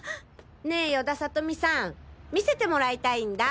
ねえ与田理美さん見せてもらいたいんだ。